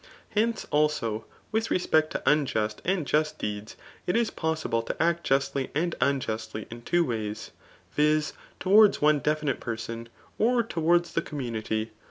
Hence, also, with respect to unjust and just deeds, it is possible to act justly and unjustly in two wa^^s } iiE. towards one definite person, or towards die commu infy.